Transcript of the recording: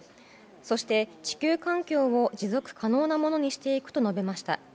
そして、地球環境を持続可能なものにしていくと述べました。